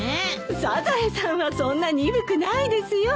サザエさんはそんな鈍くないですよ。